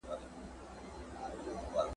سیوری د چایمه؟ ,